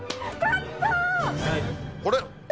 これ？